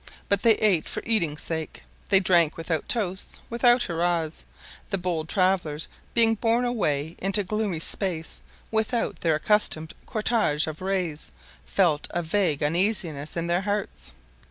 But they ate for eating's sake, they drank without toasts, without hurrahs. The bold travelers being borne away into gloomy space, without their accustomed cortege of rays, felt a vague uneasiness in their hearts.